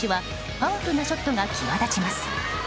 パワフルなショットが際立ちます。